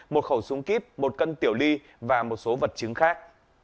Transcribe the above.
một khẩu súng kíp một cân tiểu ly và một số vật chứng khác